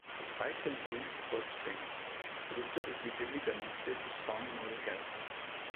Despite his loose purse strings, Brewster repeatedly demonstrates a strong moral character.